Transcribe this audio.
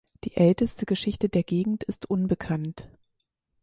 Die älteste Geschichte der Gegend ist unbekannt.